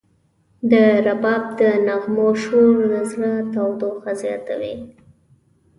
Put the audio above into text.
د رباب د نغمو شور د زړه تودوخه زیاتوي.